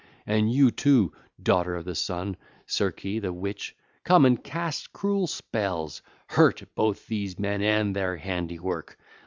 And you, too, daughter of the Sun, Circe the witch, come and cast cruel spells; hurt both these men and their handiwork.